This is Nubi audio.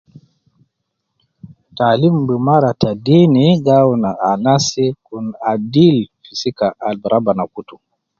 Taalim bumara te deeni gi awun anasi kunadil fi sika ab rabbana kutu